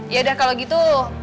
ya udah kalau gitu